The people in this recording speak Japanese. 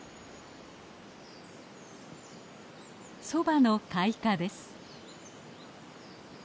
ソバの開花です。